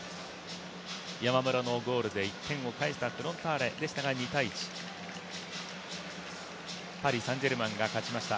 山村のゴールで１点を返したフロンターレでしたが、２−１パリ・サン＝ジェルマンが勝ちました。